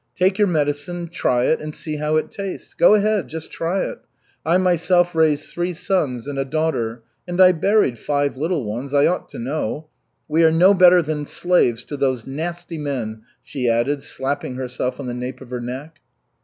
Take your medicine, try it and see how it tastes. Go ahead, just try it. I myself raised three sons and a daughter, and I buried five little ones I ought to know. We are no better than slaves to those nasty men!" she added, slapping herself on the nape of her neck.